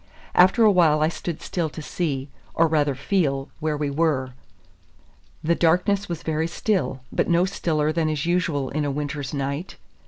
After a while I stood still to see, or rather feel, where we were. The darkness was very still, but no stiller than is usual in a winter's night.